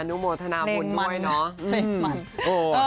อนุโมทนาคุณด้วยเนอะอืมโอ้